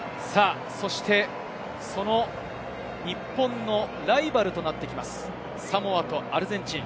その日本のライバルとなってきます、サモアとアルゼンチン。